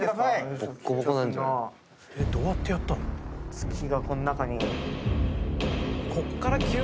月がこの中に。